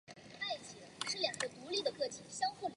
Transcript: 对我而言都有既定的目标